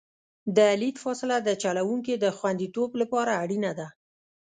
د لید فاصله د چلوونکي د خوندیتوب لپاره اړینه ده